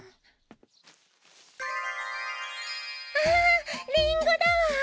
あっリンゴだわ！